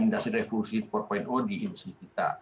indonesia revolusi empat di indonesia kita